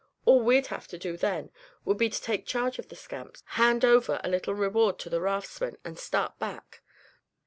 All we'd have to do then would be to take charge of the scamps, hand over a little reward to the raftsmen, and start back.